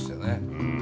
うん。